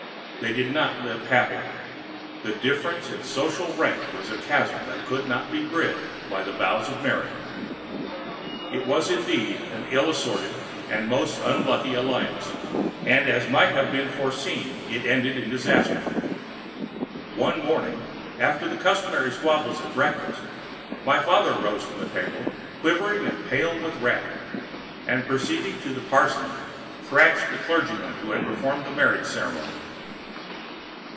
They did not live happily; the difference in social rank was a chasm which could not be bridged by the vows of marriage. It was indeed an ill assorted and most unlucky alliance; and as might have been foreseen it ended in disaster. One morning after the customary squabbles at breakfast, my father rose from the table, quivering and pale with wrath, and proceeding to the parsonage thrashed the clergyman who had performed the marriage ceremony.